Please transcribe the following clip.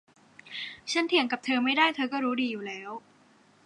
ฉันเถียงกับเธอไม่ได้ เธอก็รู้ดีอยู่แล้ว